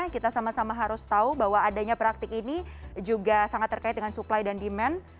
kita sama sama harus tahu bahwa adanya praktik ini juga sangat terkait dengan supply dan demand